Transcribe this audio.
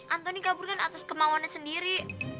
antoni kabur kan atas kemauannya sendiri